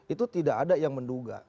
itu tidak ada yang menduga